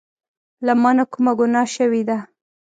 له مانه کومه ګناه شوي ده